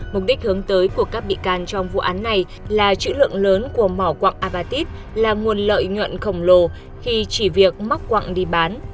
mục đích hướng tới của các bị can trong vụ án này là chữ lượng lớn của mỏ quạng abatit là nguồn lợi nhuận khổng lồ khi chỉ việc móc quặng đi bán